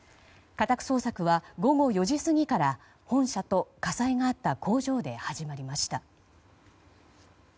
家宅捜索は午後４時過ぎから本社と火災があった工場で始まりました。